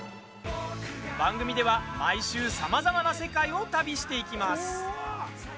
番組では毎週、さまざまな世界を旅していきます。